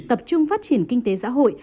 tập trung phát triển kinh tế xã hội